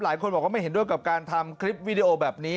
หลายคนบอกว่าไม่เห็นด้วยกับการทำคลิปวิดีโอแบบนี้